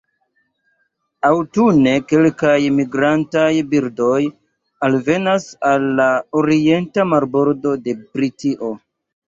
Aŭtune kelkaj migrantaj birdoj alvenas al la orienta marbordo de Britio.